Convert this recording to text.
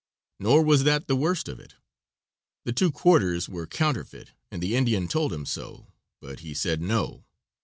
Nor was that the worst of it; the two quarters were counterfeit and the Indian told him so, but he said no.